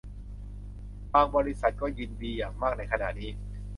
บาง บริษัท ก็ยินดีอย่างมากในขณะนี้